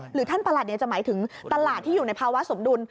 หรือตลาดที่อยู่ในภาวะสมดุล